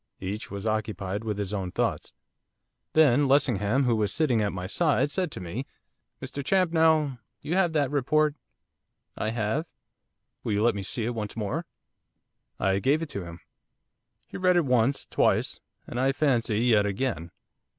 Each was occupied with his own thoughts. Then Lessingham, who was sitting at my side, said to me, 'Mr Champnell, you have that report.' 'I have.' 'Will you let me see it once more?' I gave it to him. He read it once, twice, and I fancy yet again.